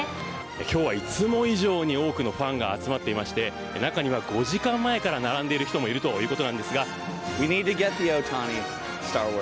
今日はいつも以上に多くのファンが集まっていて中には５時間前から並んでいる人もいるということなんですが。